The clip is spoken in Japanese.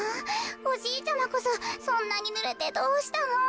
おじいちゃまこそそんなにぬれてどうしたの？